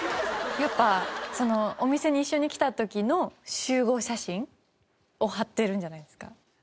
やっぱそのお店に一緒に来た時の集合写真？を貼ってるんじゃないですか？